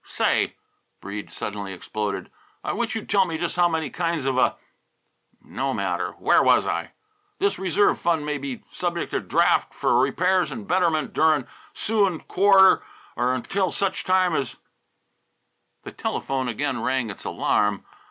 "Say," Breede suddenly exploded, "I wish you'd tell me just how many kinds of a no matter! Where was I? This reserve fund may be subject to draft f'r repairs an' betterment durin' 'suin' quarter or 'ntil such time as " The telephone again rang its alarm.